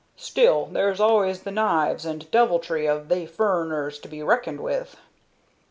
Still, there's always the knives and deviltry of they furriners to be reckoned with."